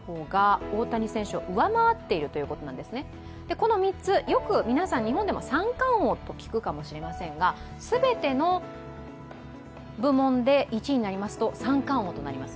この３つ、よく日本でも三冠王と聞くかもしれませんが全ての部門で１位になりますと、三冠王となります。